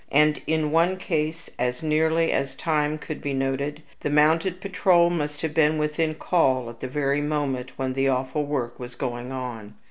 And in one case, as nearly as time could be noted, the mounted patrol must have been within call at the very moment when the awful work was going on.